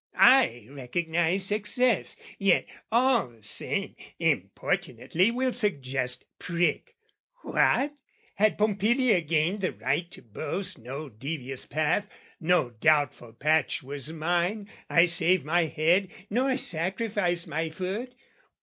"I recognise success, yet, all the same, "Importunately will suggestion prick "What, had Pompilia gained the right to boast "'No devious path, no doubtful patch was mine, "'I saved my head nor sacrificed my foot?'